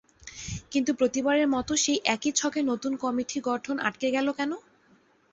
কিন্তু প্রতিবারের মতো সেই একই ছকে নতুন কমিটি গঠন আটকে গেল কেন?